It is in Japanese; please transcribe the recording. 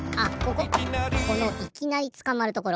このいきなりつかまるところ。